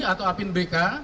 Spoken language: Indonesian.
atau apin bk